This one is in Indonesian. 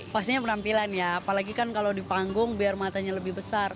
pastinya penampilan ya apalagi kan kalau di panggung biar matanya lebih besar